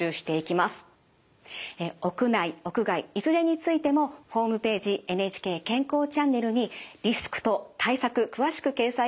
屋内屋外いずれについてもホームページ「ＮＨＫ健康チャンネル」にリスクと対策詳しく掲載しています。